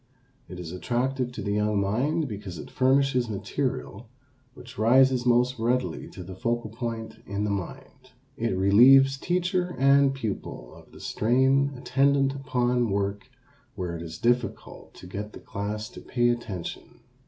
It is attractive to the young mind because it furnishes material which rises most readily to the focal point in the mind. It relieves teacher and pupil of the strain attendant upon work where it is difficult to get the class to "pay attention."